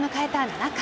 ７回。